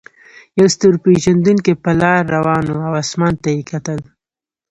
یو ستور پیژندونکی په لاره روان و او اسمان ته یې کتل.